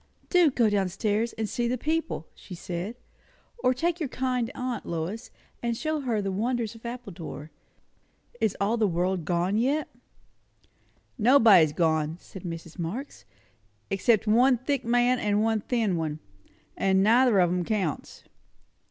"Do go down stairs and see the people!" she said; "or take your kind aunt, Lois, and show her the wonders of Appledore. Is all the world gone yet?" "Nobody's gone," said Mrs. Marx; "except one thick man and one thin one; and neither of 'em counts."